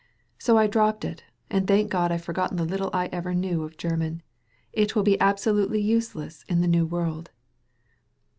So I dropped it, and thank God I've forgotten the little I ever knew of German ! It will be absolutely useless in the new world."